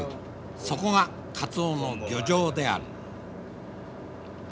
そこがカツオの漁場である。